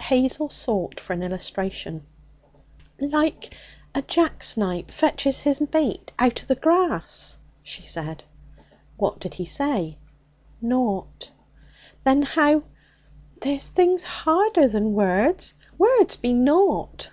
Hazel sought for an illustration. 'Like a jacksnipe fetches his mate out o' the grass,' she said. 'What did he say?' 'Nought.' 'Then how ?' 'There's things harder than words; words be nought.'